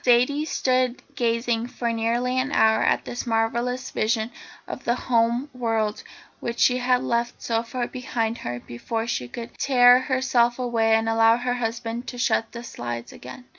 Zaidie stood gazing for nearly an hour at this marvellous vision of the home world which she had left so far behind her before she could tear herself away and allow her husband to shut the slides again.